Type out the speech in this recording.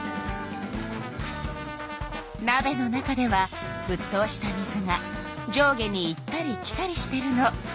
なべの中ではふっとうした水が上下に行ったり来たりしてるの。